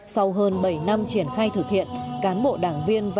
sau hơn bảy năm triển khai thực hiện